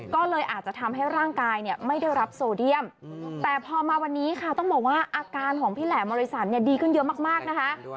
ก็เลยอาจจะทำให้ร่างกายเนี่ยไม่ได้รับโซเดียมแต่พอมาวันนี้ค่ะต้องบอกว่าอาการของพี่แหลมมริสันเนี่ยดีขึ้นเยอะมากนะคะ